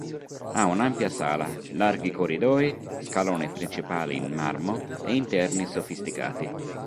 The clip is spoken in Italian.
Ha un'ampia sala, larghi corridoi, scalone principale in marmo e interni sofisticati.